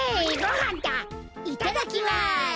いただきます。